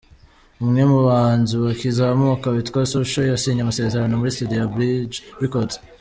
Umwe mu bahanzi bakizamuka witwa Social, yasinye amasezerano muri Studio ya Bridge Records.